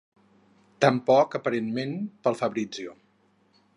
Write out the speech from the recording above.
Tampoc, aparentment, pel Fabrizio...